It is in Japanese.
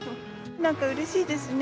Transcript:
なんかうれしいですね。